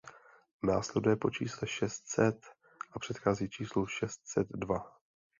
Následuje po čísle šest set a předchází číslu šest set dva.